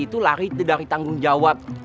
itu lari dari tanggung jawab